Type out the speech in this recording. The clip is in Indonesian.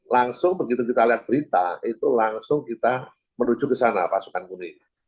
langsung begitu kita lihat berita itu langsung kita menuju ke sana pasukan kuning